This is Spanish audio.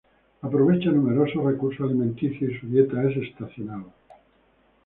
Aprovecha numerosos recursos alimenticios y su dieta es estacional.